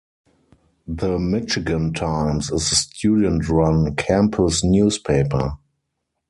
"The Michigan Times" is a student-run campus newspaper.